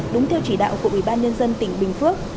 đúng theo chỉ đạo của ubnd tỉnh bình phước